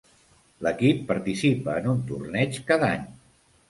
L'equip participa en un torneig cada any.